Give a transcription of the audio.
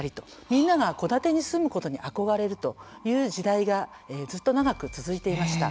みんなが戸建てに住むことに憧れるという時代がずっと長く続いていました。